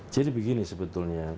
jadi begini sebetulnya